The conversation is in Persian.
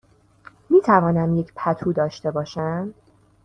می توانم یک پتو داشته باشم؟